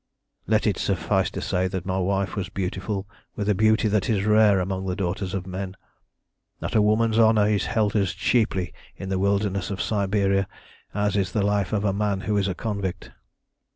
"Let it suffice to say that my wife was beautiful with a beauty that is rare among the daughters of men; that a woman's honour is held as cheaply in the wildernesses of Siberia as is the life of a man who is a convict.